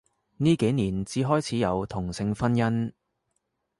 呢幾年至開始有同性婚姻